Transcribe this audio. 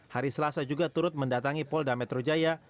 hari selasa juga turut mendatangi polda metro jaya